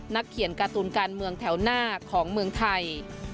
เขียนการ์ตูนการเมืองแถวหน้าของเมืองไทย